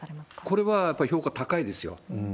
これはやっぱり評価高いですよ。